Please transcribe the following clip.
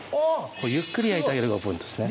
ゆっくり焼いてあげるのがポイントですね。